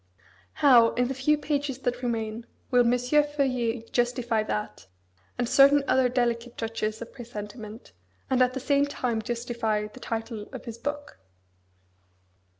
How, in the few pages that remain, will M. Feuillet justify that, and certain other delicate touches of presentiment, and at the same time justify the title of his book?